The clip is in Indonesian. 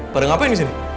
padahal ngapain disini